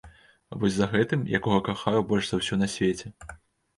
Вось за гэтым, якога кахаю больш за ўсё на свеце.